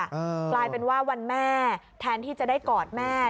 กลายเป็นว่าวันแม่แทนที่จะได้กอดแม่